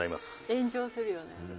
炎上するよね。